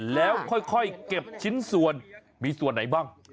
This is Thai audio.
แล้วค่อยเก็บชิ้นส่วนมีส่วนไหนบ้าง